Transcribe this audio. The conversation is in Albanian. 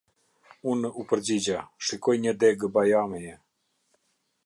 Unë u përgjigja: "Shikoj një degë bajameje".